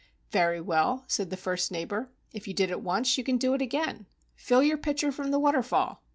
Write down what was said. "Very well," said the first neighbor. "If you did it once, you can do it again. Fill your pitcher from the waterfall.